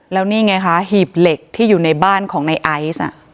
แล้วนี่ไงคะหีบเหล็กที่อยู่ในบ้านของในไอซ์